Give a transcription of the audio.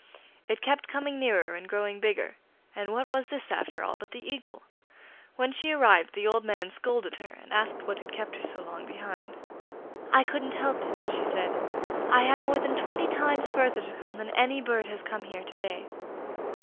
It kept coming nearer and growing bigger, and what was this after all but the Eagle? When she arrived the old man scolded her, and asked what had kept her so long behind. 'I couldn't help it,' she said; 'I had more than twenty times further to come than any bird that has come here to day.